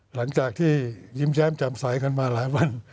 หลังจากที่ยิ้มแย้มแจ่มใสกันมาหลายวัน